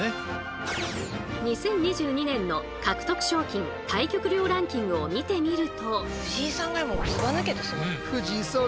２０２２年の獲得賞金・対局料ランキングを見てみると。